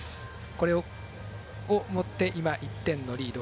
これをもって今、１点のリード。